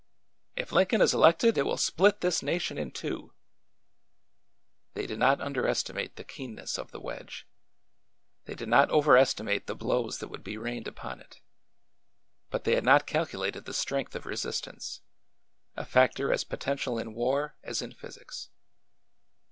" If Lincoln is elected it will split this nation in two !'' They did not underestimate the keenness of the wedge ; they did not overestimate the blows that would be rained upon it; but they had not calculated the strength of re sistance— a factor as potential in war as in physics.